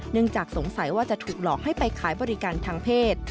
จากสงสัยว่าจะถูกหลอกให้ไปขายบริการทางเพศ